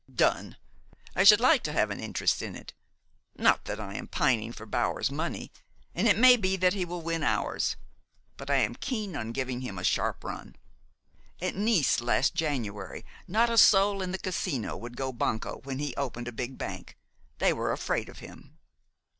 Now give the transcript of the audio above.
"Done! I should like to have an interest in it. Not that I am pining for Bower's money, and it may be that he will win ours; but I am keen on giving him a sharp run. At Nice last January not a soul in the Casino would go Banco when he opened a big bank. They were afraid of him."